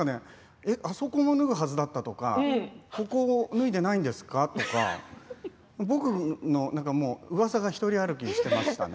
あそこも脱ぐはずだったとかここ脱いでいないんですかとか僕のうわさが独り歩きしていましたね。